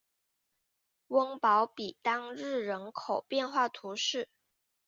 翁堡比当日人口变化图示